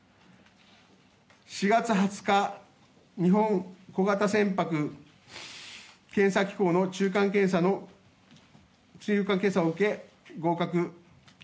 ４月２０日日本小型船舶検査機構の中間検査を受け、合格。